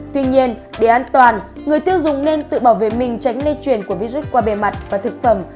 tuy nhiên để an toàn người tiêu dùng nên tự bảo vệ mình tránh lây chuyển của virus qua bề mặt và thực phẩm